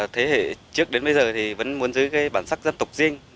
thế hệ trước đến bây giờ thì vẫn muốn giữ cái bản sắc giống như thế này